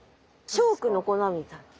チョークの粉みたい。